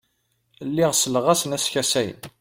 Lliɣ selleɣ-asen a skasayen.